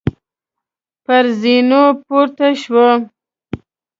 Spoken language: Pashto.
پر زینو پورته شوو.